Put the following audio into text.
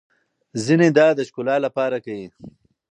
ځينې دا د ښکلا لپاره کوي.